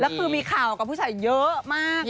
แล้วคือมีข่าวกับผู้ชายเยอะมาก